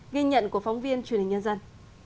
ghi nhận của phóng viên truyền hình nhân dân